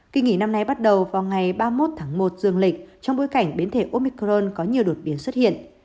kỳ nghỉ năm nay bắt đầu vào ngày ba mươi một tháng một dương lịch trong bối cảnh biến thể omicron có nhiều đột biến xuất hiện